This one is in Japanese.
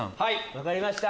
分かりました。